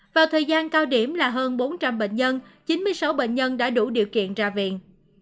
vào thời gian cao điểm là hơn bốn trăm linh bệnh nhân chín mươi sáu bệnh nhân đã đủ điều kiện ra viện